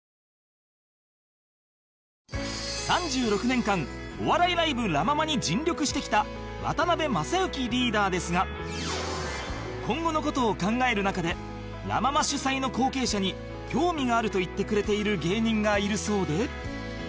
３６年間お笑いライブラ・ママに尽力してきた渡辺正行リーダーですが今後の事を考える中でラ・ママ主催の後継者に興味があると言ってくれている芸人がいるそうで